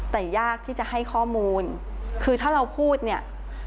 แต่ยากที่จะให้ข้อมูลคือถ้าเราพูดเนี่ย